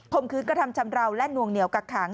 มื้อกระทำชำราวและนวงเหนียวกักขัง